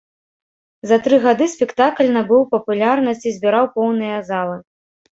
За тры гады спектакль набыў папулярнасць і збіраў поўныя залы.